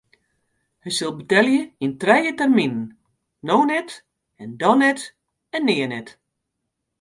Hy sil betelje yn trije terminen: no net en dan net en nea net.